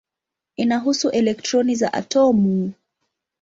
Inahusu elektroni za atomu.